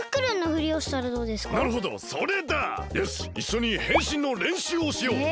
よしいっしょにへんしんのれんしゅうをしよう！